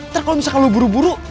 nanti kalau misalnya lo buru buru